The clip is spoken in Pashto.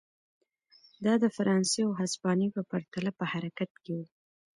دا د فرانسې او هسپانیې په پرتله په حرکت کې و.